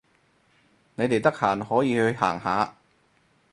你哋得閒可以去行下